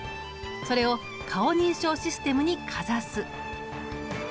それを顔認証システムにかざす。